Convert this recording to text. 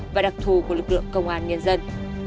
và đặc thù của lực lượng công an nhân dân